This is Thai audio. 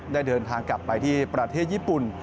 ได้เดินทางกลับไปที่ประเทศญี่ปุ่น